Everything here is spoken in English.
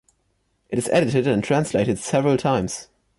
It is edited and translated several times.